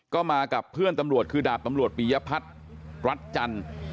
ก็มากับเพื่อนตำรวจคือดาบตำรวจปียพัฒน์รัฐจันทร์